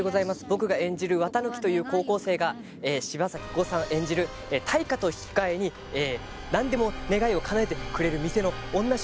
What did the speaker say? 僕が演じる四月一日という高校生が柴咲コウさん演じる対価と引き換えに何でも願いを叶えてくれるミセの女